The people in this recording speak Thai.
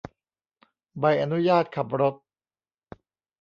ใบอนุญาตขับรถ